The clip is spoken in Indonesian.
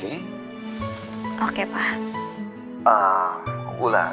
sekarang itu yang penting adalah studi kamu ok